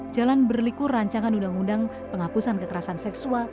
jalan berliku rancangan undang undang penghapusan kekerasan seksual